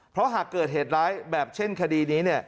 เพราะหากเกิดเหตุร้ายแบบเช่นคดีนี้